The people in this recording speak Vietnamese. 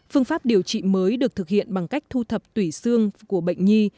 phương pháp điều trị mới được thực hiện bằng cách thu thập tủy xương của bệnh nhi